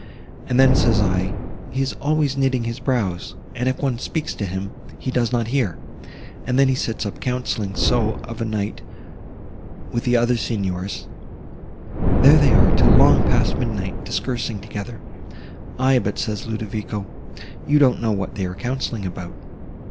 And then, says I, he is always knitting his brows; and if one speaks to him, he does not hear; and then he sits up counselling so, of a night, with the other Signors—there they are, till long past midnight, discoursing together! Aye, but says Ludovico, you don't know what they are counselling about.